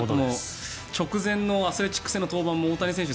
直前のアスレチックス戦の登板も大谷選手